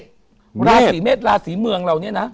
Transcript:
ราศีเมฆราศีเมืองเหล่านี้นะ